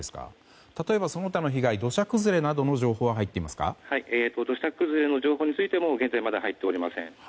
例えば、その他の被害土砂崩れなどの被害は土砂崩れの情報についても現在まだ入っておりません。